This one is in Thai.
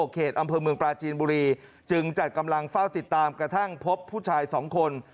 เขตอำเภอเมืองปลาจีนบุรีจึงจัดกำลังเฝ้าติดตามกระทั่งพบผู้ชาย๒คน